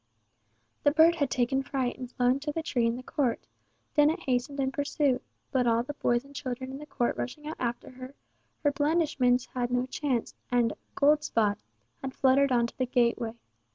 The bird had taken fright and flown to the tree in the court; Dennet hastened in pursuit, but all the boys and children in the court rushing out after her, her blandishments had no chance, and "Goldspot" had fluttered on to the gateway.